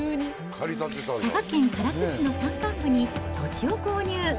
佐賀県唐津市の山間部に土地を購入。